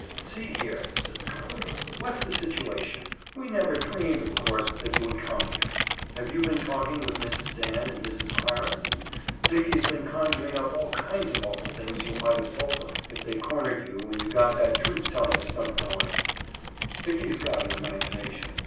"See here," said the commodore, "what's the situation? We never dreamed, of course, that you would come here. Have you been talking with Mrs. Dan and Mrs. Clarence? Dickie's been conjuring all kinds of awful things you might have told them, if they cornered you and you got that truth telling stunt going. Dickie's got an imagination.